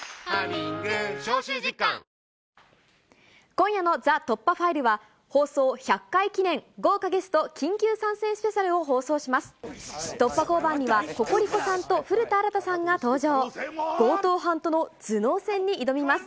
今夜のＴＨＥ突破ファイルは、放送１００回記念、豪華ゲスト緊急参戦スペシャルを放送します。